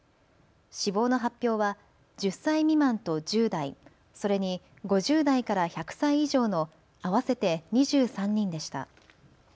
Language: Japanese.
死亡の発表は１０歳未満と１０代、それに５０代から１００歳以上の合わせて２３人でした。